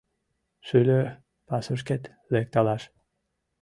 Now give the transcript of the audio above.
Шӱльӧ пасушкет лекталаш